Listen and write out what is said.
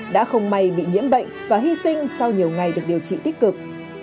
đã không may bị nhiễm bệnh và hy sinh sau nhiều ngày được điều trị tích cực